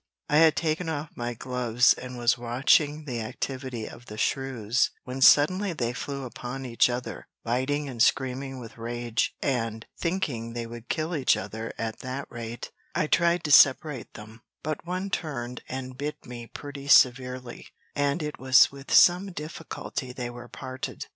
I had taken off my gloves and was watching the activity of the shrews, when suddenly they flew upon each other, biting and screaming with rage, and, thinking they would kill each other at that rate, I tried to separate them, but one turned and bit me pretty severely, and it was with some difficulty they were parted.